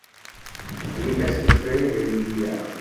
Li estis tre religia.